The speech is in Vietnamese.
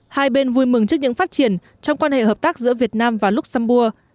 hai bên vui mừng trước những phát triển trong quan hệ hợp tác giữa việt nam và luxembourg